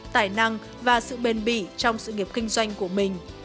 tài năng và sự bền bỉ trong sự nghiệp kinh doanh của mình